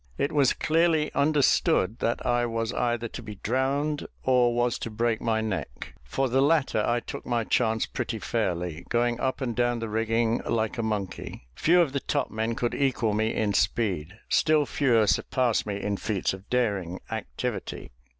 It was clearly understood that I was either to be drowned or was to break my neck; for the latter I took my chance pretty fairly, going up and down the rigging like a monkey. Few of the topmen could equal me in speed, still fewer surpass me in feats of daring activity.